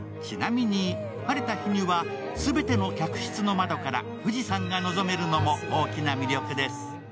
ちなみに晴れた日にはすべての客室の窓から富士山が望めるのも大きな魅力です。